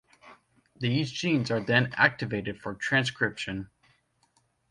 These genes are then activated for transcription.